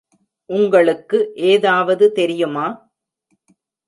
உங்களுக்கு ஏதாவது தெரியுமா?